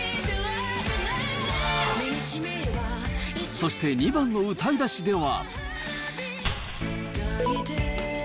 そして２番の歌い出しでは。